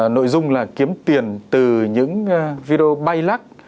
nội dung là kiếm tiền từ những video bay lắc